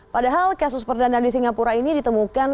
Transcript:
padahal kasus perdanaan di singapura ini ditemukan